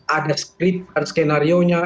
ada skrip ada skenario nya